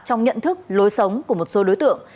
trong nhận thức lối sống của một số đối tượng